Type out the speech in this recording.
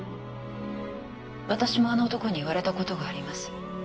私もあの男に言われたことがあります